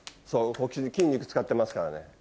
筋肉使ってますからね。